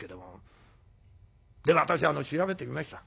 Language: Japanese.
私調べてみました。